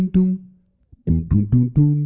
ตุ้มตุ้มตุ้มตุ้มตุ้ม